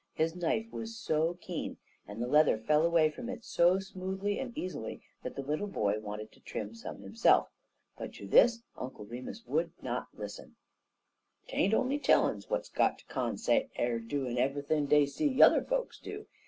His knife was so keen, and the leather fell away from it so smoothly and easily, that the little boy wanted to trim some himself. But to this Uncle Remus would not listen. "'Tain't on'y chilluns w'at got de consate er doin' eve'ything dey see yuther folks do.